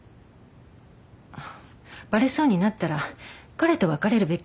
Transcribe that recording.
バレそうになったら彼と別れるべきよ。